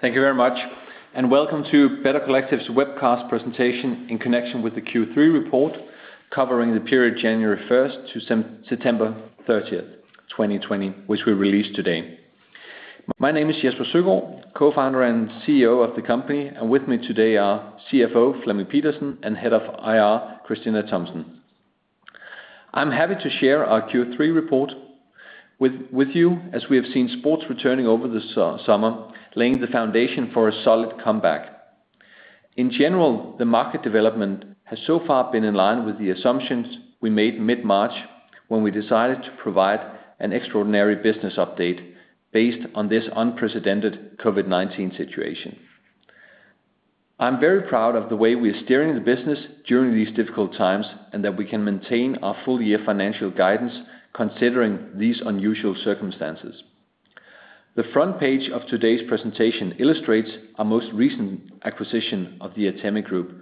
Thank you very much, and welcome to Better Collective's webcast presentation in connection with the Q3 report, covering the period January 1st to September 30th, 2020, which we released today. My name is Jesper Søgaard, Co-Founder and CEO of the company, and with me today are CFO Flemming Pedersen and Head of IR Christina Thomsen. I'm happy to share our Q3 report with you as we have seen sports returning over the summer, laying the foundation for a solid comeback. In general, the market development has so far been in line with the assumptions we made mid-March when we decided to provide an extraordinary business update based on this unprecedented COVID-19 situation. I'm very proud of the way we are steering the business during these difficult times, and that we can maintain our full-year financial guidance considering these unusual circumstances. The front page of today's presentation illustrates our most recent acquisition of the Atemi Group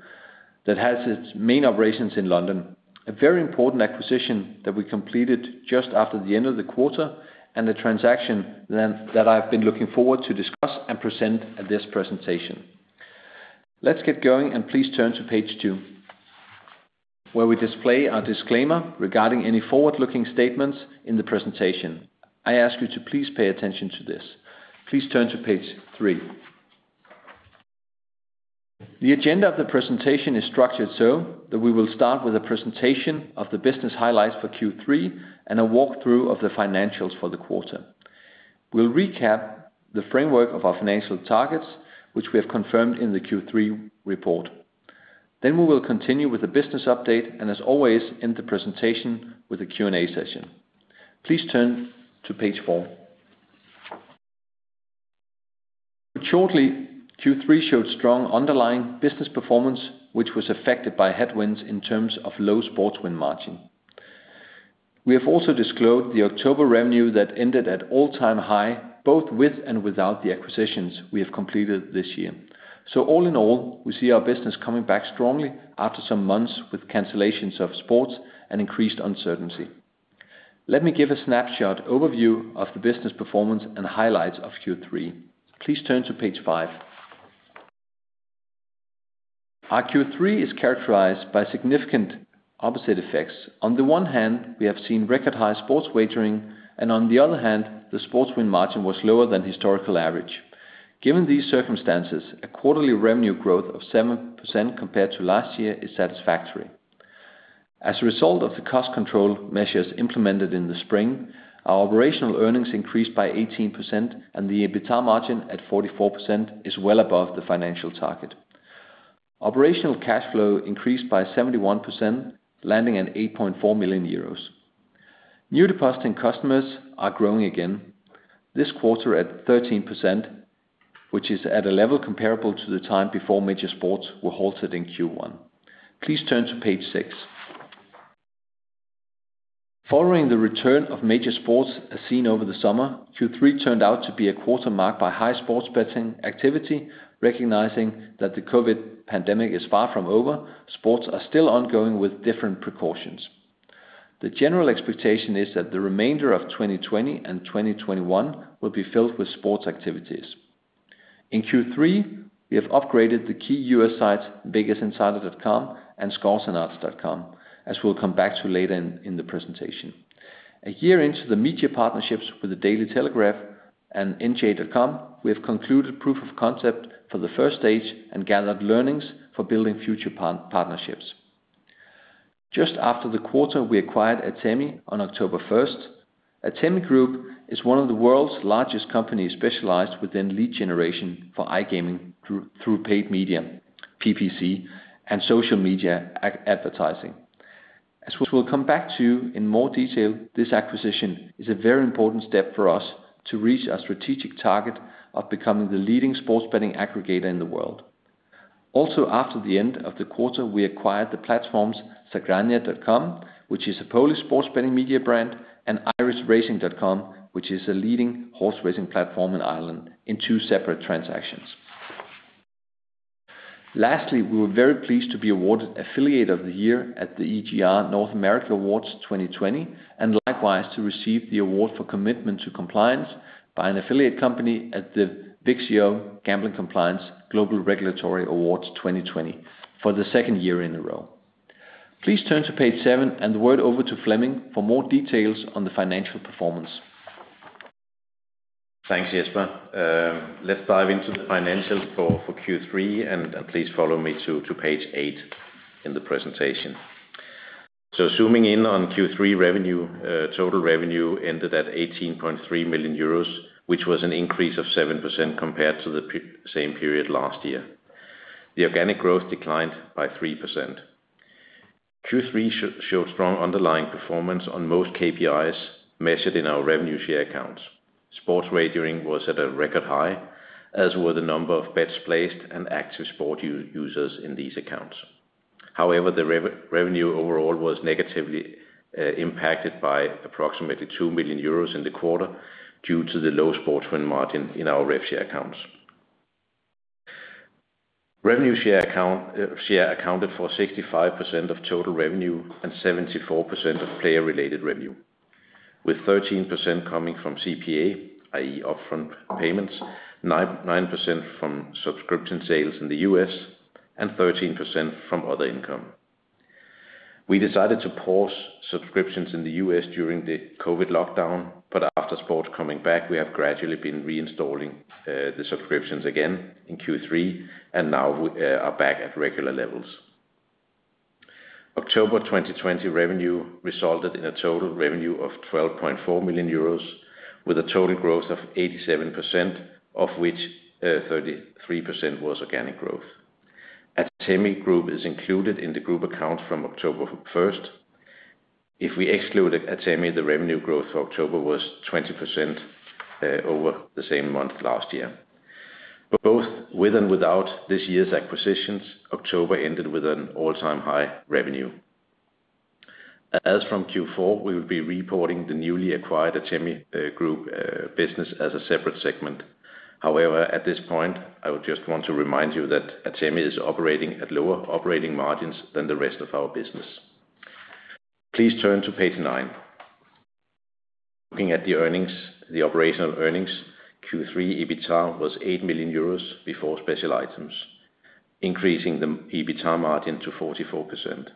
that has its main operations in London. A very important acquisition that we completed just after the end of the quarter, and the transaction that I've been looking forward to discuss and present at this presentation. Let's get going and please turn to page two, where we display our disclaimer regarding any forward-looking statements in the presentation. I ask you to please pay attention to this. Please turn to page three. The agenda of the presentation is structured so that we will start with a presentation of the business highlights for Q3 and a walkthrough of the financials for the quarter. We'll recap the framework of our financial targets, which we have confirmed in the Q3 report. Then we will continue with the business update and as always, end the presentation with a Q&A session. Please turn to page four. Shortly, Q3 showed strong underlying business performance, which was affected by headwinds in terms of low sports win margin. We have also disclosed the October revenue that ended at all-time high, both with and without the acquisitions we have completed this year. All in all, we see our business coming back strongly after some months with cancellations of sports and increased uncertainty. Let me give a snapshot overview of the business performance and highlights of Q3. Please turn to page five. Our Q3 is characterized by significant opposite effects. On the one hand, we have seen record-high sports wagering, and on the other hand, the sports win margin was lower than historical average. Given these circumstances, a quarterly revenue growth of 7% compared to last year is satisfactory. As a result of the cost control measures implemented in the spring, our operational earnings increased by 18% and the EBITDA margin at 44% is well above the financial target. Operational cash flow increased by 71%, landing at 8.4 million euros. New depositing customers are growing again this quarter at 13%, which is at a level comparable to the time before major sports were halted in Q1. Please turn to page six. Following the return of major sports as seen over the summer, Q3 turned out to be a quarter marked by high sports betting activity. Recognizing that the COVID pandemic is far from over, sports are still ongoing with different precautions. The general expectation is that the remainder of 2020 and 2021 will be filled with sports activities. In Q3, we have upgraded the key U.S. sites vegasinsider.com and scoresandodds.com, as we'll come back to later in the presentation. A year into the media partnerships with The Daily Telegraph and NJ.com, we have concluded proof of concept for the first stage and gathered learnings for building future partnerships. Just after the quarter, we acquired Atemi on October 1st. Atemi Group is one of the world's largest companies specialized within lead generation for iGaming through paid media, PPC and social media advertising. As we'll come back to in more detail, this acquisition is a very important step for us to reach our strategic target of becoming the leading sports betting aggregator in the world. Also, after the end of the quarter, we acquired the platforms zagranie.com, which is a Polish sports betting media brand, and irishracing.com, which is a leading horse racing platform in Ireland in two separate transactions. Lastly, we were very pleased to be awarded Affiliate of the Year at the EGR North America Awards 2020, and likewise, to receive the award for Commitment to Compliance by an Affiliate Company at the VIXIO GamblingCompliance Global Regulatory Awards 2020 for the second year in a row. Please turn to page seven and the word over to Flemming for more details on the financial performance. Thanks, Jesper. Let's dive into the financials for Q3, and please follow me to page eight in the presentation. Zooming in on Q3 revenue, total revenue ended at 18.3 million euros, which was an increase of 7% compared to the same period last year. The organic growth declined by 3%. Q3 showed strong underlying performance on most KPIs measured in our revenue share accounts. Sports wagering was at a record high, as were the number of bets placed and active sport users in these accounts. However, the revenue overall was negatively impacted by approximately 2 million euros in the quarter due to the low sports win margin in our rev-share accounts. Revenue share accounted for 65% of total revenue and 74% of player-related revenue, with 13% coming from CPA, i.e. upfront payments, 9% from subscription sales in the U.S., and 13% from other income. We decided to pause subscriptions in the U.S. during the COVID lockdown, but after sports coming back, we have gradually been reinstalling the subscriptions again in Q3, and now we are back at regular levels. October 2020 revenue resulted in a total revenue of 12.4 million euros, with a total growth of 87%, of which 33% was organic growth. Atemi Group is included in the group account from October 1st. If we excluded Atemi, the revenue growth for October was 20% over the same month last year. Both with and without this year's acquisitions, October ended with an all-time high revenue. As from Q4, we will be reporting the newly acquired Atemi Group business as a separate segment. However, at this point, I would just want to remind you that Atemi is operating at lower operating margins than the rest of our business. Please turn to page nine. Looking at the operational earnings, Q3 EBITDA was 8 million euros before special items, increasing the EBITDA margin to 44%.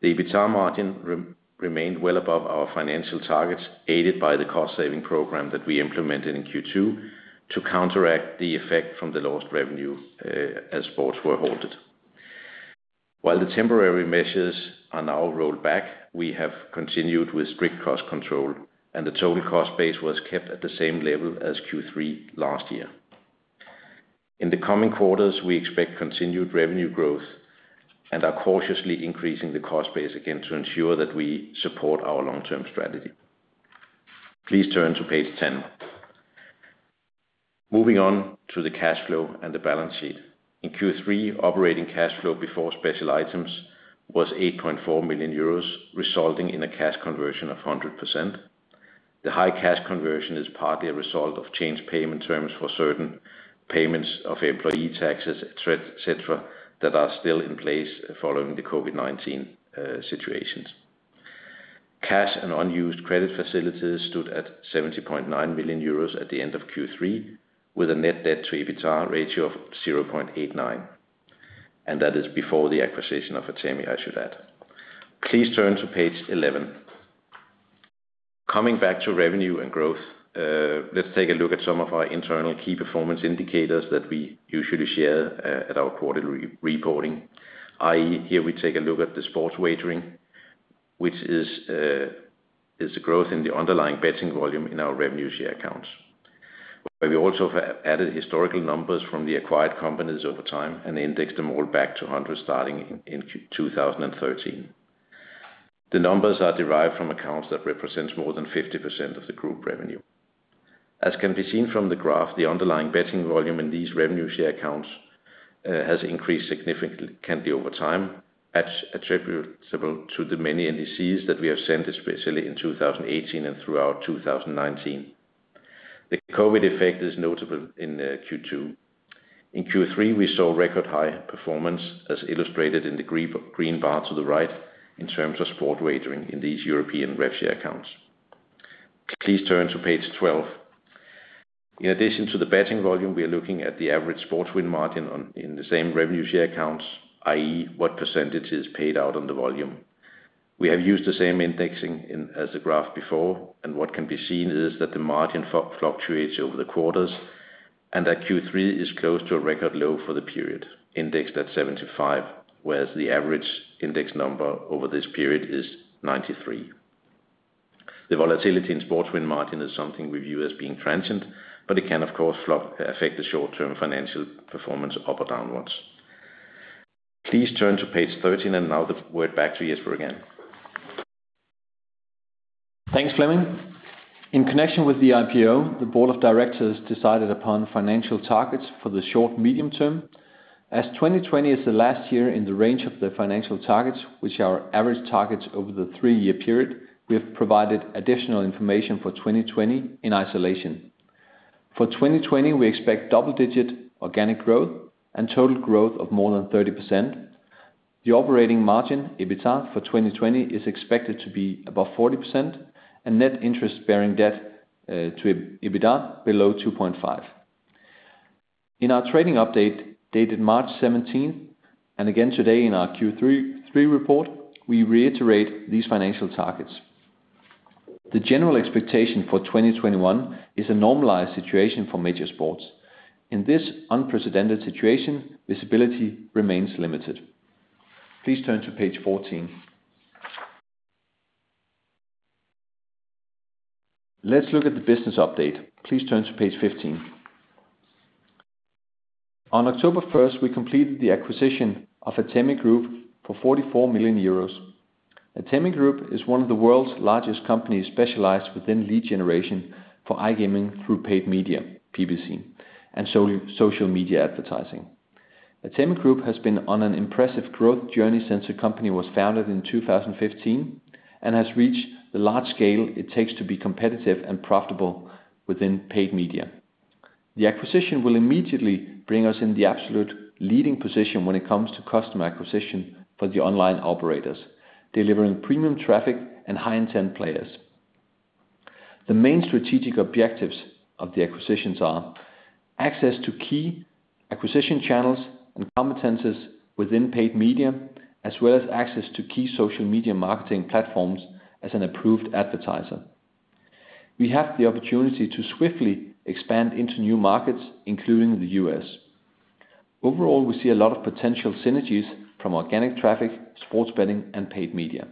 The EBITDA margin remained well above our financial targets, aided by the cost-saving program that we implemented in Q2 to counteract the effect from the lost revenue as sports were halted. While the temporary measures are now rolled back, we have continued with strict cost control, and the total cost base was kept at the same level as Q3 last year. In the coming quarters, we expect continued revenue growth and are cautiously increasing the cost base again to ensure that we support our long-term strategy. Please turn to page 10. Moving on to the cash flow and the balance sheet. In Q3, operating cash flow before special items was 8.4 million euros, resulting in a cash conversion of 100%. The high cash conversion is partly a result of changed payment terms for certain payments of employee taxes, etc, that are still in place following the COVID-19 situations. Cash and unused credit facilities stood at 70.9 million euros at the end of Q3, with a net debt-to-EBITDA ratio of 0.89x. That is before the acquisition of Atemi, I should add. Please turn to page 11. Coming back to revenue and growth, let's take a look at some of our internal key performance indicators that we usually share at our quarterly reporting, i.e. here we take a look at the sports wagering, which is the growth in the underlying betting volume in our revenue share accounts. We also added historical numbers from the acquired companies over time and indexed them all back to 100% starting in 2013. The numbers are derived from accounts that represent more than 50% of the Group revenue. As can be seen from the graph, the underlying betting volume in these revenue share accounts has increased significantly over time, attributable to the many NDCs that we have sent, especially in 2018 and throughout 2019. The COVID effect is notable in Q2. In Q3, we saw record-high performance, as illustrated in the green bar to the right in terms of sport wagering in these European rev-share accounts. Please turn to page 12. In addition to the betting volume, we are looking at the average sports win margin in the same revenue share accounts, i.e. what percentage is paid out on the volume. We have used the same indexing as the graph before. What can be seen is that the margin fluctuates over the quarters and that Q3 is close to a record low for the period, indexed at 75%, whereas the average index number over this period is 93%. The volatility in sports win margin is something we view as being transient. It can, of course, affect the short-term financial performance up or downwards. Please turn to page 13. Now the word back to Jesper again. Thanks, Flemming. In connection with the IPO, the Board of Directors decided upon financial targets for the short and medium term. As 2020 is the last year in the range of the financial targets, which are average targets over the three-year period, we have provided additional information for 2020 in isolation. For 2020, we expect double-digit organic growth and total growth of more than 30%. The operating margin, EBITDA, for 2020 is expected to be above 40%, and net interest-bearing debt-to-EBITDA below 2.5x. In our trading update dated March 17, and again today in our Q3 report, we reiterate these financial targets. The general expectation for 2021 is a normalized situation for major sports. In this unprecedented situation, visibility remains limited. Please turn to page 14. Let's look at the business update. Please turn to page 15. On October 1st, we completed the acquisition of Atemi Group for 44 million euros. Atemi Group is one of the world's largest companies specialized within lead generation for iGaming through paid media, PPC, and social media advertising. Atemi Group has been on an impressive growth journey since the company was founded in 2015 and has reached the large scale it takes to be competitive and profitable within paid media. The acquisition will immediately bring us in the absolute leading position when it comes to customer acquisition for the online operators, delivering premium traffic and high-intent players. The main strategic objectives of the acquisitions are access to key acquisition channels and competencies within paid media, as well as access to key social media marketing platforms as an approved advertiser. We have the opportunity to swiftly expand into new markets, including the U.S. Overall, we see a lot of potential synergies from organic traffic, sports betting, and paid media.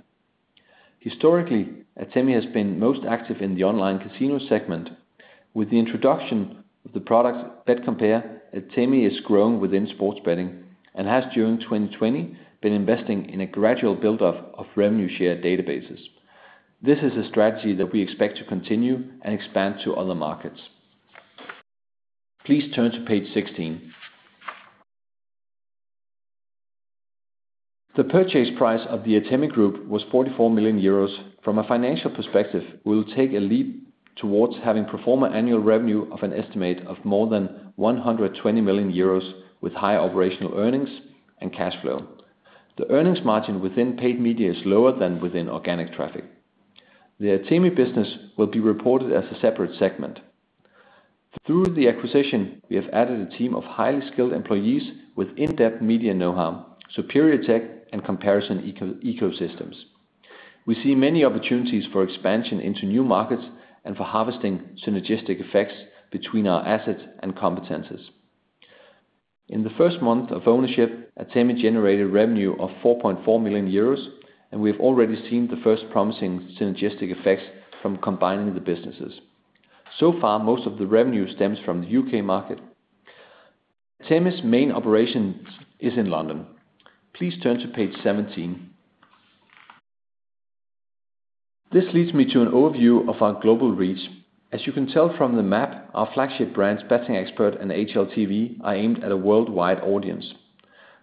Historically, Atemi has been most active in the online casino segment. With the introduction of the product BetCompare, Atemi is growing within sports betting and has during 2020 been investing in a gradual buildup of revenue share databases. This is a strategy that we expect to continue and expand to other markets. Please turn to page 16. The purchase price of the Atemi Group was 44 million euros. From a financial perspective, we'll take a leap towards having pro forma annual revenue of an estimate of more than 120 million euros with high operational earnings and cash flow. The earnings margin within paid media is lower than within organic traffic. The Atemi business will be reported as a separate segment. Through the acquisition, we have added a team of highly skilled employees with in-depth media know-how, superior tech, and comparison ecosystems. We see many opportunities for expansion into new markets and for harvesting synergistic effects between our assets and competencies. In the first month of ownership, Atemi generated revenue of 4.4 million euros, we have already seen the first promising synergistic effects from combining the businesses. So far, most of the revenue stems from the U.K. market. Atemi's main operation is in London. Please turn to page 17. This leads me to an overview of our global reach. As you can tell from the map, our flagship brands, bettingexpert and HLTV, are aimed at a worldwide audience.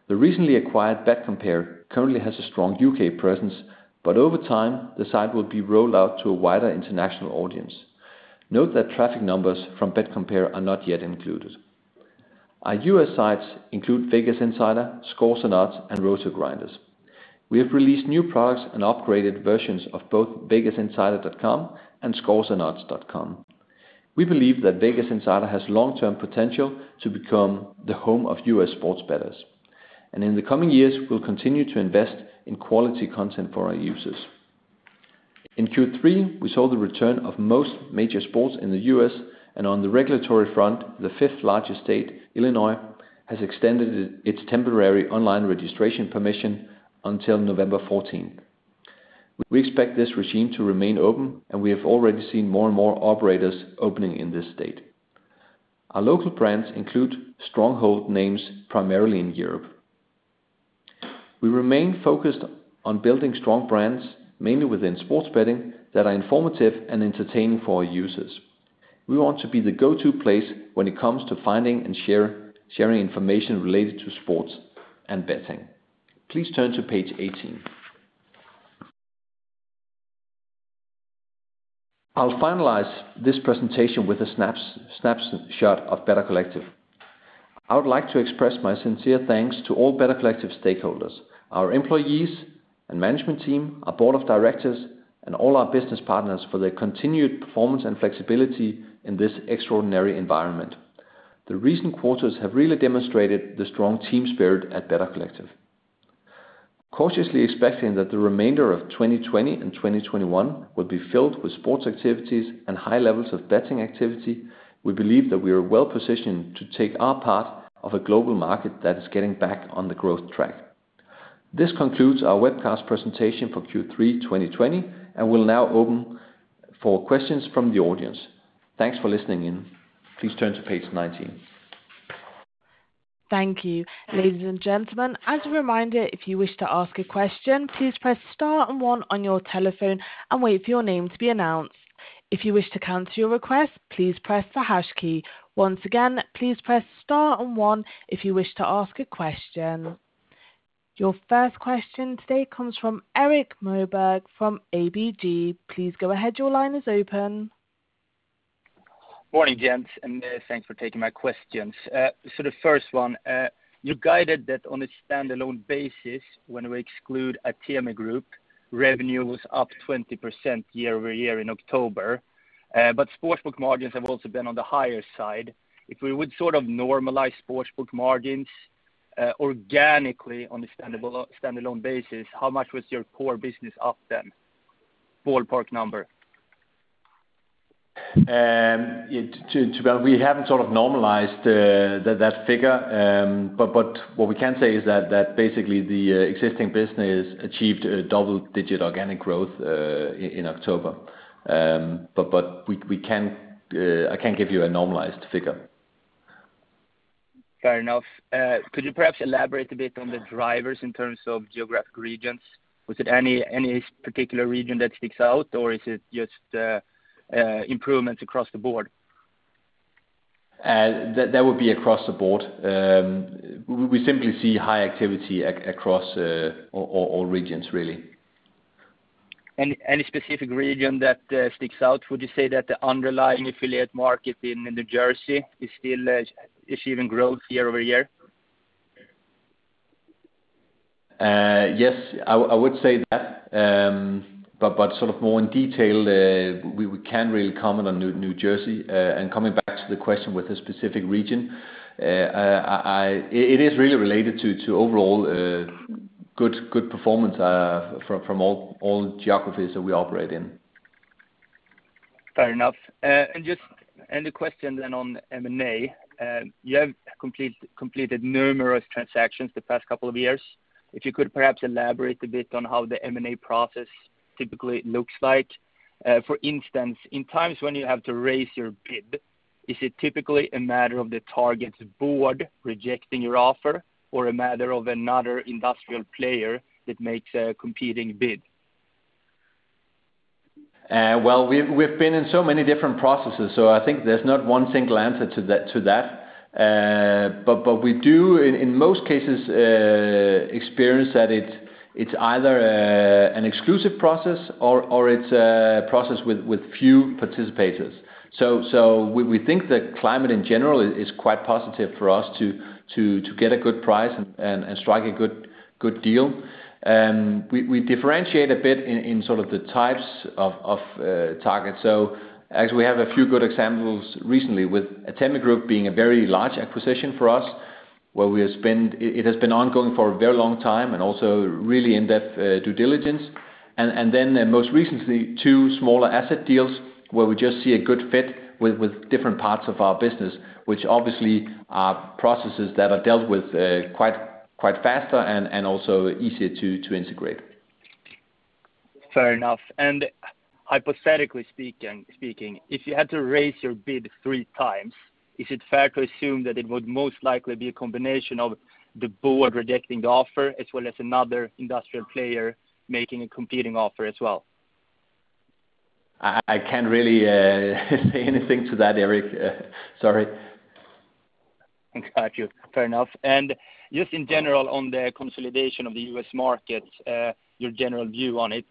The recently acquired BetCompare currently has a strong U.K. presence, over time, the site will be rolled out to a wider international audience. Note that traffic numbers from BetCompare are not yet included. Our U.S. sites include VegasInsider, ScoresAndOdds, and RotoGrinders. We have released new products and upgraded versions of both VegasInsider.com and ScoresandOdds.com. We believe that VegasInsider has long-term potential to become the home of U.S. sports bettors. In the coming years, we'll continue to invest in quality content for our users. In Q3, we saw the return of most major sports in the U.S. On the regulatory front, the fifth-largest state, Illinois, has extended its temporary online registration permission until November 14th. We expect this regime to remain open. We have already seen more and more operators opening in this state. Our local brands include stronghold names, primarily in Europe. We remain focused on building strong brands, mainly within sports betting, that are informative and entertaining for our users. We want to be the go-to place when it comes to finding and sharing information related to sports and betting. Please turn to page 18. I'll finalize this presentation with a snapshot of Better Collective. I would like to express my sincere thanks to all Better Collective stakeholders, our employees and management team, our Board of Directors, and all our business partners for their continued performance and flexibility in this extraordinary environment. The recent quarters have really demonstrated the strong team spirit at Better Collective. Cautiously expecting that the remainder of 2020 and 2021 will be filled with sports activities and high levels of betting activity, we believe that we are well-positioned to take our part of a global market that is getting back on the growth track. This concludes our webcast presentation for Q3 2020, and we'll now open for questions from the audience. Thanks for listening in. Please turn to page 19. Thank you. Ladies and gentlemen, as a reminder, if you wish to ask a question, please press star and one on your telephone and wait for your name to be announced. If you wish to cancel your request, please press the hash key. Once again, please press star and one if you wish to ask a question. Your first question today comes from Erik Moberg from ABG. Please go ahead. Your line is open. Morning, gents, and thanks for taking my questions. The first one, you guided that on a standalone basis, when we exclude Atemi Group, revenue was up 20% year-over-year in October. Sports book margins have also been on the higher side. If we would sort of normalize sports book margins organically on a standalone basis, how much was your core business up then? Ballpark number. We haven't sort of normalized that figure. What we can say is that basically the existing business achieved a double-digit organic growth in October. I can't give you a normalized figure. Fair enough. Could you perhaps elaborate a bit on the drivers in terms of geographic regions? Was it any particular region that sticks out, or is it just improvements across the board? That would be across the board. We simply see high activity across all regions, really. Any specific region that sticks out? Would you say that the underlying affiliate market in New Jersey is still achieving growth year-over-year? Yes, I would say that. More in detail, we can't really comment on New Jersey. Coming back to the question with a specific region, it is really related to overall good performance from all geographies that we operate in. Fair enough. Just the question then on M&A. You have completed numerous transactions the past couple of years. If you could perhaps elaborate a bit on what the M&A process typically looks like. For instance, in times when you have to raise your bid, is it typically a matter of the target's Board rejecting your offer or a matter of another industrial player that makes a competing bid? We've been in so many different processes, I think there's not one single answer to that. We do, in most cases, experience that it's either an exclusive process or it's a process with few participators. We think the climate, in general, is quite positive for us to get a good price and strike a good deal. We differentiate a bit in the types of targets. Actually, we have a few good examples recently with Atemi Group being a very large acquisition for us, where it has been ongoing for a very long time and also really in-depth due diligence. Most recently, two smaller asset deals where we just see a good fit with different parts of our business, which obviously are processes that are dealt with quite faster and also easier to integrate. Fair enough. Hypothetically speaking, if you had to raise your bid three times, is it fair to assume that it would most likely be a combination of the Board rejecting the offer as well as another industrial player making a competing offer as well? I can't really say anything to that, Erik. Sorry. Got you. Fair enough. Just in general, on the consolidation of the U.S. market, your general view on it,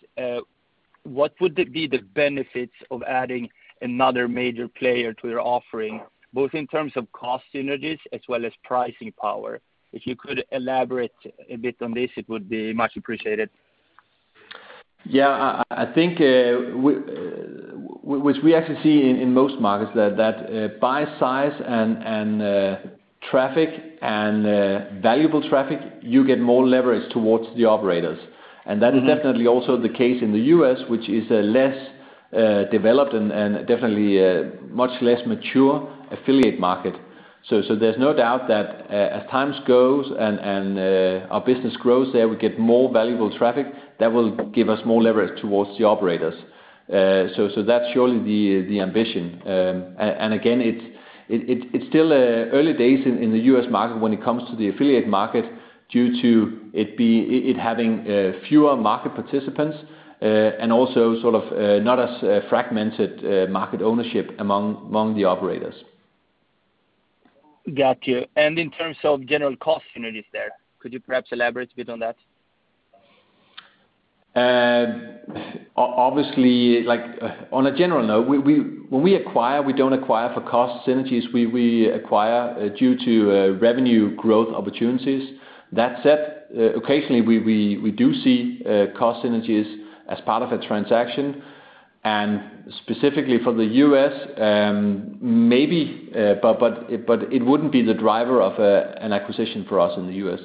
what would be the benefits of adding another major player to your offering, both in terms of cost synergies as well as pricing power? If you could elaborate a bit on this, it would be much appreciated. I think, which we actually see in most markets, that by size and traffic and valuable traffic, you get more leverage towards the operators. That is definitely also the case in the U.S., which is a less developed and definitely a much less mature affiliate market. There's no doubt that as time goes and our business grows there, we get more valuable traffic that will give us more leverage towards the operators. That's surely the ambition. Again, it's still early days in the U.S. market when it comes to the affiliate market due to it having fewer market participants and also not as fragmented market ownership among the operators. Got you. In terms of general cost synergies there, could you perhaps elaborate a bit on that? Obviously, on a general note, when we acquire, we don't acquire for cost synergies. We acquire due to revenue growth opportunities. That said, occasionally we do see cost synergies as part of a transaction, and specifically for the U.S., maybe, but it wouldn't be the driver of an acquisition for us in the U.S.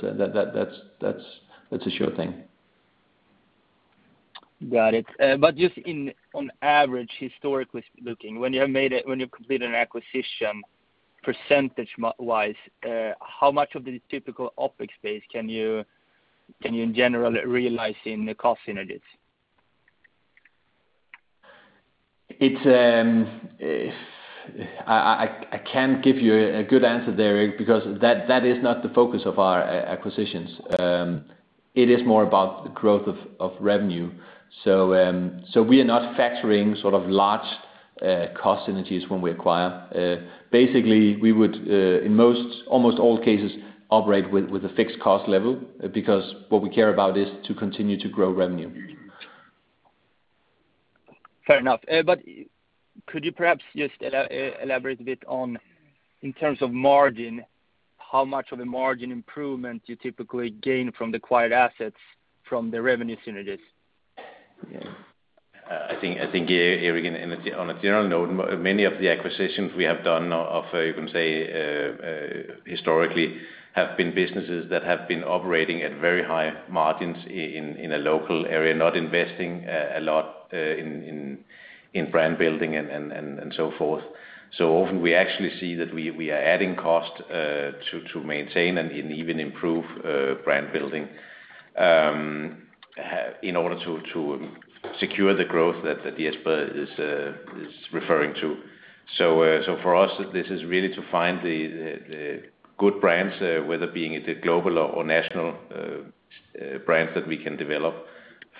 That's a sure thing. Got it. Just on average, historically looking, when you've completed an acquisition, percentage-wise, how much of the typical OpEx base can you, in general, realize in the cost synergies? I can't give you a good answer there, Erik, because that is not the focus of our acquisitions. It is more about the growth of revenue. We are not factoring large cost synergies when we acquire. Basically, we would, in almost all cases, operate with a fixed cost level because what we care about is to continue to grow revenue. Fair enough. Could you perhaps just elaborate a bit on, in terms of margin, how much of a margin improvement you typically gain from the acquired assets from the revenue synergies? I think, Erik, on a general note, many of the acquisitions we have done of, you can say, historically have been businesses that have been operating at very high margins in a local area, not investing a lot in brand building and so forth. Often we actually see that we are adding cost to maintain and even improve brand building in order to secure the growth that Jesper is referring to. For us, this is really to find the good brands, whether being it a global or national brand that we can develop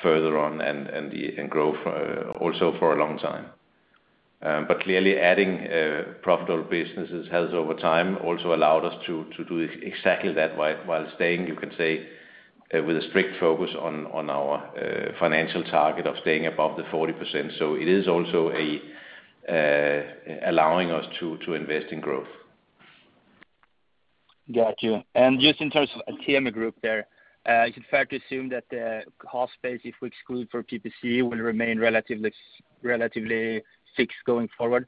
further on and grow also for a long time. Clearly adding profitable businesses has over time also allowed us to do exactly that while staying, you can say, with a strict focus on our financial target of staying above the 40%. It is also allowing us to invest in growth. Got you. Just in terms of Atemi Group there, is it fair to assume that the cost base, if we exclude for PPC, will remain relatively fixed going forward?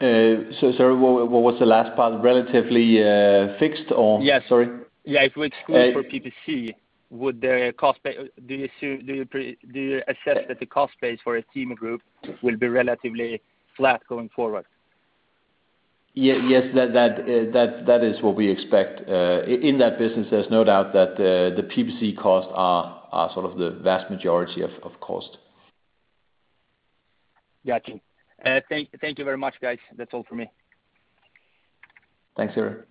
Sorry, what was the last part, relatively fixed or? Yes. Sorry. If we exclude for PPC, do you assess that the cost base for Atemi Group will be relatively flat going forward? Yes. That is what we expect. In that business, there's no doubt that the PPC costs are sort of the vast majority of cost. Got you. Thank you very much, guys. That's all for me. Thanks, Erik.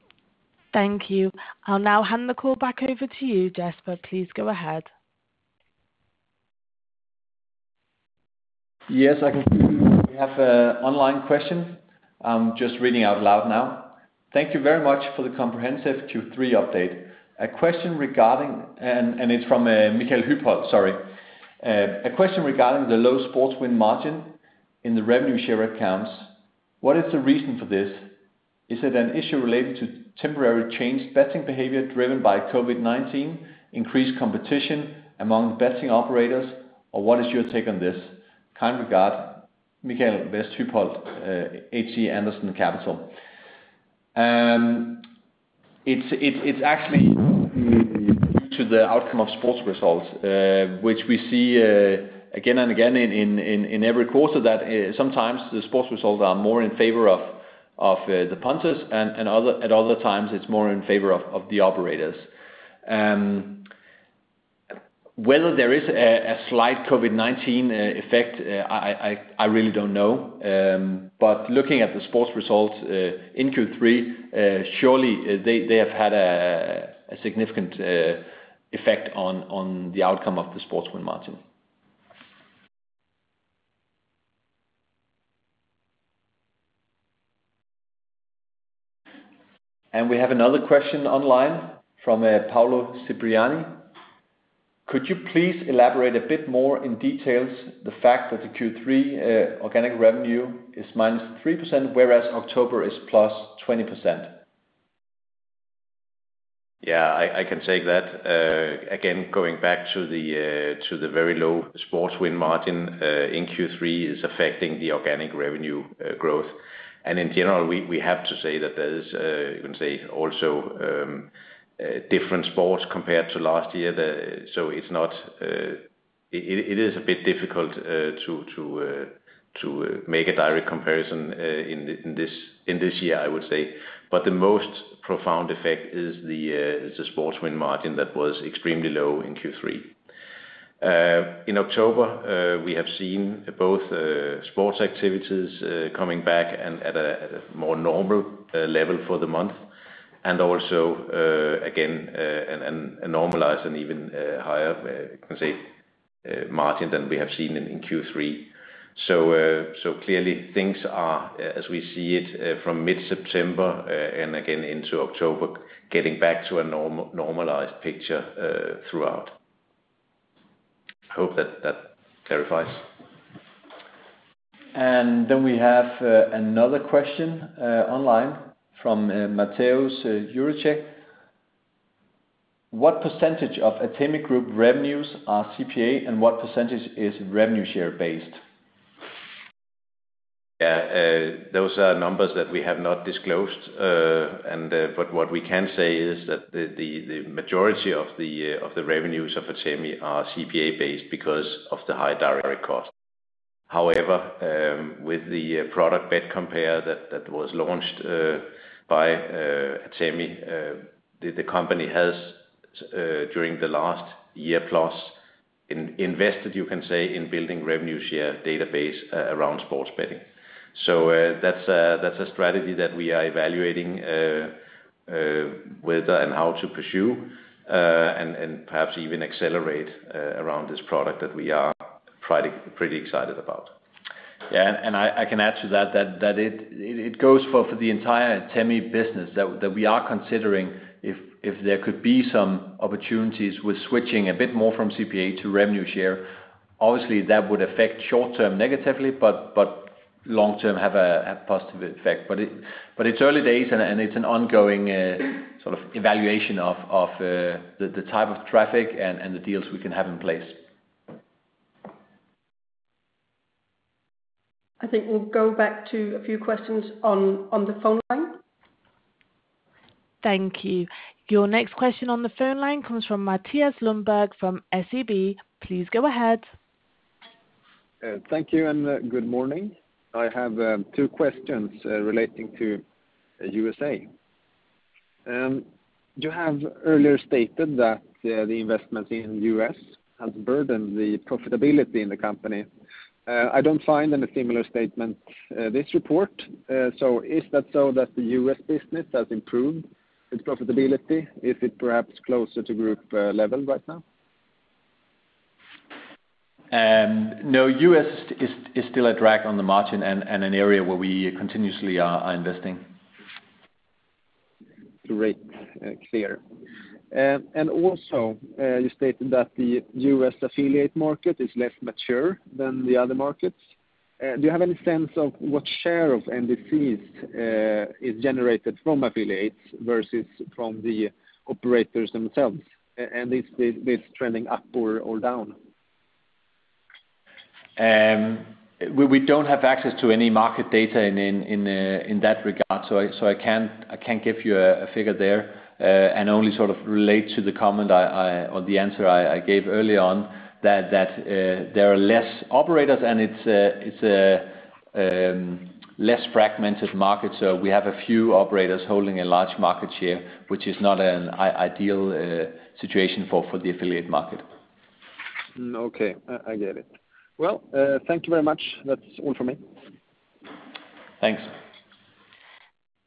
Thank you. I'll now hand the call back over to you, Jesper. Please go ahead. Yes, I can see we have an online question. I'm just reading out loud now. Thank you very much for the comprehensive Q3 update. It's from Michael Hybholt, sorry. A question regarding the low sports win margin in the revenue share accounts, what is the reason for this? Is it an issue related to temporary changed betting behavior driven by COVID-19, increased competition among betting operators, or what is your take on this? Kind regard, Michael West Hybholt, HC Andersen Capital. It's actually due to the outcome of sports results, which we see again and again in every quarter, that sometimes the sports results are more in favor of the punters, and at other times it's more in favor of the operators. Whether there is a slight COVID-19 effect, I really don't know. Looking at the sports results in Q3, surely they have had a significant effect on the outcome of the sports win margin. We have another question online from Paolo Cipriani. Could you please elaborate a bit more in details the fact that the Q3 organic revenue is -3%, whereas October is +20%? Yeah, I can take that. Going back to the very low sports win margin in Q3 is affecting the organic revenue growth. In general, we have to say that there is, you can say, also different sports compared to last year. It is a bit difficult to make a direct comparison in this year, I would say. The most profound effect is the sports win margin that was extremely low in Q3. In October, we have seen both sports activities coming back and at a more normal level for the month. Also, again, a normalized and even higher, you can say, margin than we have seen in Q3. Clearly things are, as we see it from mid-September and again into October, getting back to a normalized picture throughout. Hope that that clarifies? We have another question online from Mateusz Juroszek. What percentage of Atemi Group revenues are CPA, and what percentage is revenue-share based? Yeah, those are numbers that we have not disclosed. What we can say is that the majority of the revenues of Atemi are CPA-based because of the high direct cost. However, with the product BetCompare that was launched by Atemi, the company has, during the last year plus, invested, you can say, in building revenue share database around sports betting. That's a strategy that we are evaluating whether and how to pursue, and perhaps even accelerate around this product that we are pretty excited about. I can add to that it goes for the entire Atemi business that we are considering if there could be some opportunities with switching a bit more from CPA to revenue share. Obviously that would affect short-term negatively, but long-term have a positive effect. It's early days, and it's an ongoing evaluation of the type of traffic and the deals we can have in place. I think we'll go back to a few questions on the phone line. Thank you. Your next question on the phone line comes from Mathias Lundberg from SEB. Please go ahead. Thank you, and good morning. I have two questions relating to USA. You have earlier stated that the investment in U.S. has burdened the profitability in the company. I don't find any similar statement this report. Is that so that the U.S. business has improved its profitability? Is it perhaps closer to Group level right now? No, U.S. is still a drag on the margin and an area where we continuously are investing. Great. Clear. Also, you stated that the U.S. affiliate market is less mature than the other markets. Do you have any sense of what share of NDCs is generated from affiliates versus from the operators themselves? Is this trending up or down? We don't have access to any market data in that regard, so I can't give you a figure there, only sort of relate to the comment or the answer I gave early on, that there are less operators and it's a less fragmented market, so we have a few operators holding a large market share, which is not an ideal situation for the affiliate market. Okay. I get it. Well, thank you very much. That's all from me. Thanks.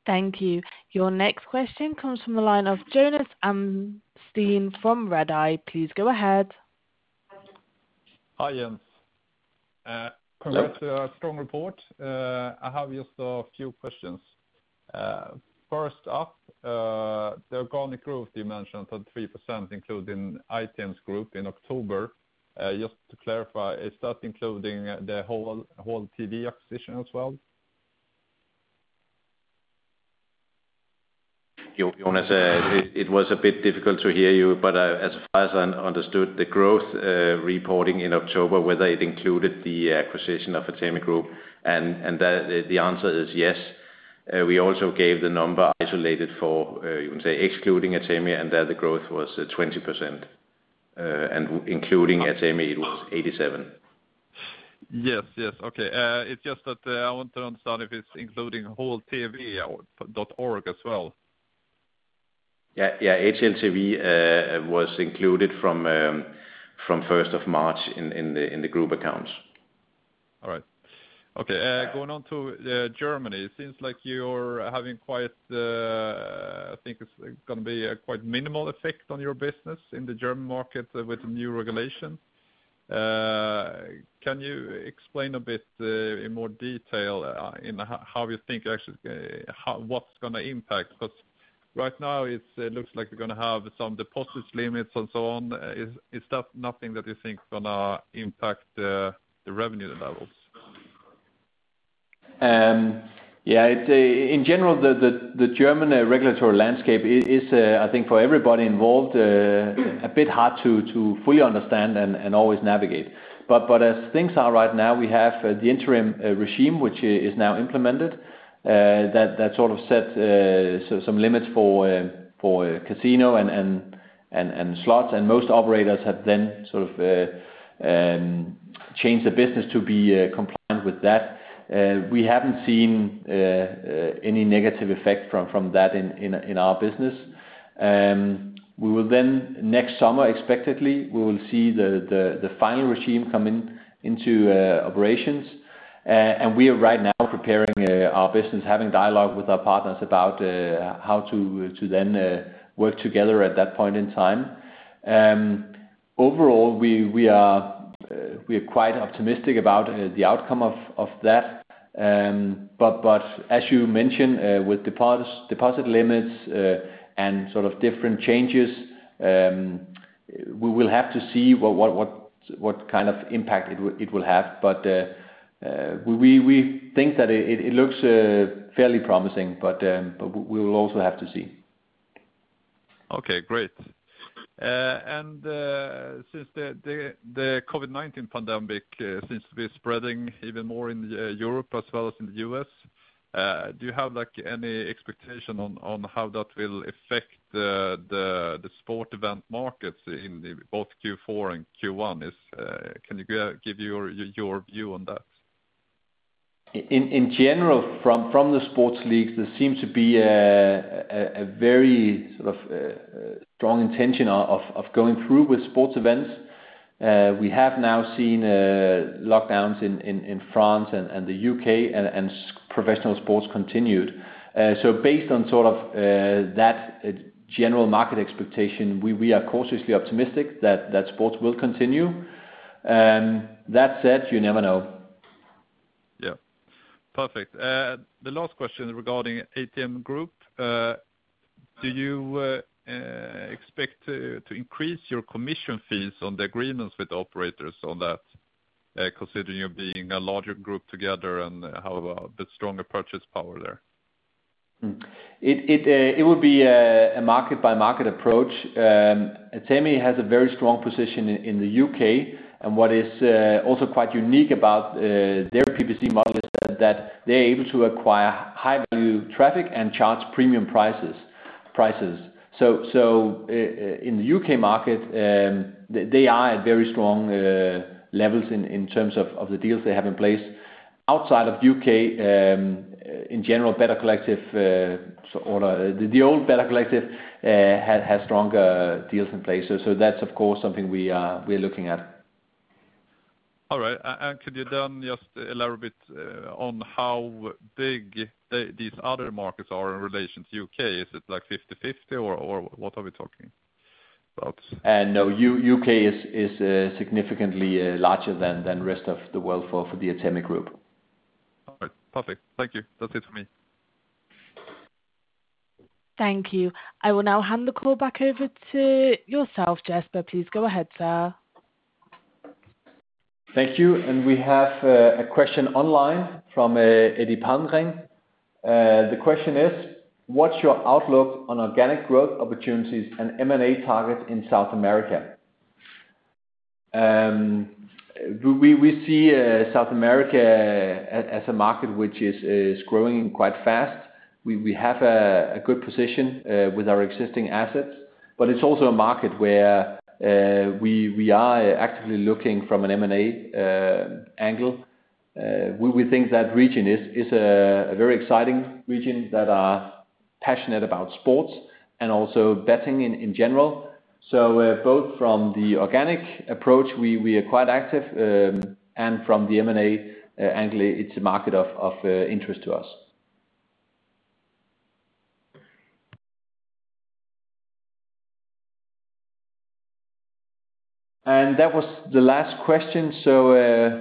Thank you. Your next question comes from the line of Jonas Amnesten from Redeye. Please go ahead. Hi, Jesper. Yes. Congrats on a strong report. I have just a few questions. First up, the organic growth you mentioned, 33% including Atemi Group in October. Just to clarify, is that including the whole HLTV acquisition as well? Jonas, it was a bit difficult to hear you, but as far as I understood the growth reporting in October, whether it included the acquisition of Atemi Group, and the answer is yes. We also gave the number isolated for, you can say, excluding Atemi, and there the growth was 20%. Including Atemi, it was 87%. Yes. Okay. It's just that I want to understand if it's including the whole HLTV.org as well. Yeah. HLTV was included from March 1st in the Group accounts. All right. Okay. Going on to Germany, it seems like you're having a quite minimal effect on your business in the German market with the new regulation. Can you explain a bit in more detail in how you think actually what's going to impact? Right now it looks like you're going to have some deposits limits and so on. Is that nothing that you think is going to impact the revenue levels? Yeah. In general, the German regulatory landscape is, I think for everybody involved, a bit hard to fully understand and always navigate. As things are right now, we have the interim regime which is now implemented, that sort of set some limits for casino and slots, and most operators have then sort of changed the business to be compliant with that. We haven't seen any negative effect from that in our business. We will, next summer, expectedly, we will see the final regime come into operations. We are right now preparing our business, having dialogue with our partners about how to then work together at that point in time. Overall, we are quite optimistic about the outcome of that. As you mentioned, with deposit limits and sort of different changes, we will have to see what kind of impact it will have. We think that it looks fairly promising, but we will also have to see. Okay, great. Since the COVID-19 pandemic seems to be spreading even more in Europe as well as in the U.S., do you have any expectation on how that will affect the sport event markets in both Q4 and Q1? Can you give your view on that? In general, from the sports leagues, there seems to be a very sort of strong intention of going through with sports events. We have now seen lockdowns in France and the U.K. and professional sports continued. Based on sort of that general market expectation, we are cautiously optimistic that sports will continue. That said, you never know. Yeah. Perfect. The last question regarding Atemi Group. Do you expect to increase your commission fees on the agreements with operators on that, considering you being a larger group together and have a bit stronger purchase power there? It would be a market-by-market approach. Atemi has a very strong position in the U.K., and what is also quite unique about their PPC model is that they're able to acquire high-value traffic and charge premium prices. In the U.K. market, they are at very strong levels in terms of the deals they have in place. Outside of the U.K., in general, Better Collective or the old Better Collective, has stronger deals in place. That's of course something we are looking at. All right. Could you then just elaborate on how big these other markets are in relation to U.K.? Is it like 50/50, or what are we talking about? No. U.K. is significantly larger than rest of the world for the Atemi Group. All right. Perfect. Thank you. That's it for me. Thank you. I will now hand the call back over to yourself, Jesper. Please go ahead, sir. Thank you. We have a question online from Eddie Palmgren. The question is, what's your outlook on organic growth opportunities and M&A targets in South America? We see South America as a market which is growing quite fast. We have a good position with our existing assets, but it's also a market where we are actively looking from an M&A angle. We think that region is a very exciting region that are passionate about sports and also betting in general. Both from the organic approach, we are quite active, and from the M&A angle, it's a market of interest to us. That was the last question.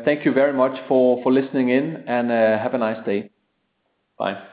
Thank you very much for listening in, and have a nice day. Bye.